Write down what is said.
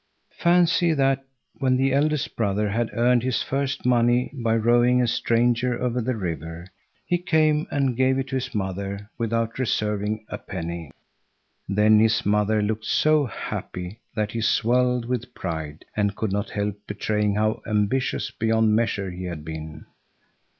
Fancy that when the eldest brother had earned his first money by rowing a stranger over the river, he came and gave it to his mother without reserving a penny! Then his mother looked so happy that he swelled with pride, and could not help betraying how ambitious beyond measure he had been.